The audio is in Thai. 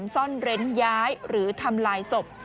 ซ่อนเร้นย้ายหรือทำลายศพ